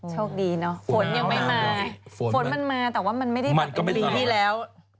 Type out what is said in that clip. โชคดีเนอะฝนยังไม่มาฝนมันมาแต่ว่ามันไม่ได้มาเป็นปีที่แล้ว